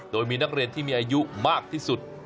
โดยมีนักเรียนที่มีอายุมากที่สุด